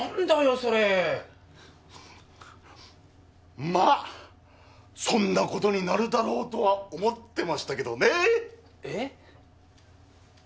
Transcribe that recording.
それまぁそんなことになるだろうとは思ってましたけどねえっ？